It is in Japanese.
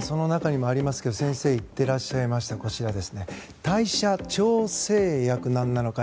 その中にもありますけど先生が言ってらっしゃいました代謝調整薬、何なのか。